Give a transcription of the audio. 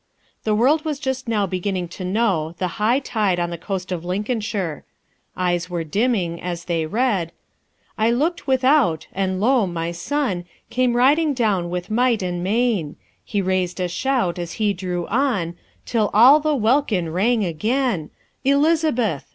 The world was just beginning to know The High Tide on the Coast of Lincolnshire. Eyes were dimming as they read, "I looked without, and lo! my sonne Came riding downe with might and main: He raised a shout as he drew on, Till all the welkin rang again, 'Elizabeth!